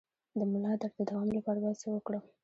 د ملا درد د دوام لپاره باید څه وکړم؟